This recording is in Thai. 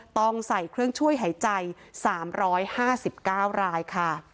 ต้องใส่เครื่องช่วยหายใจ๓๕๙รายค่ะ